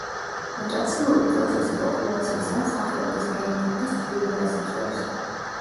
მუტაციური პროცესი პოპულაციის ან სახეობის გენოფონდის ცვლილებას იწვევს.